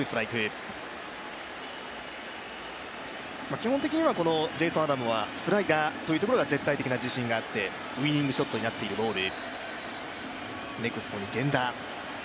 基本的にはジェイソン・アダムはスライダーが絶対的な自信があってウイニングショットになっているボール。